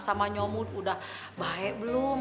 sama nyomut udah baik belum